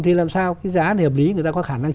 thì làm sao cái giá này hợp lý người ta có khả năng